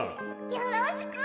よろしく！